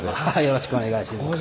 よろしくお願いします。